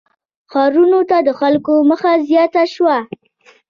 • ښارونو ته د خلکو مخه زیاته شوه.